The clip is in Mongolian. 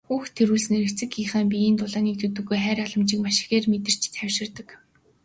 Хүүхэд тэврүүлснээр эцэг эхийнхээ биеийн дулааныг төдийгүй хайр халамжийг маш ихээр мэдэрч тайвширдаг.